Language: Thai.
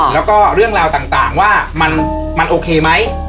แล้วก็เรื่องราวต่างว่ามันโอเคไหม